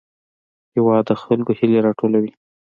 هېواد د خلکو هیلې راټولوي.